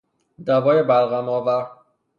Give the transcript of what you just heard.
دوای بلغم آور